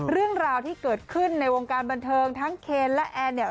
เรื่องราวที่เกิดขึ้นในวงการบันเทิงทั้งเคนและแอนเนี่ย